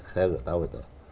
saya sudah tahu itu